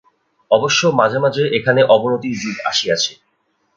অবশ্য মাঝে মাঝে এখানে অবনতির যুগ আসিয়াছে।